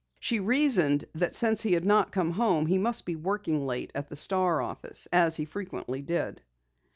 She reasoned that since he had not come home he must be working late at the Star office as he frequently did.